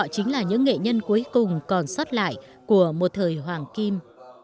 chính là những nghệ nhân cuối cùng còn sót lại của một thời hoàng kim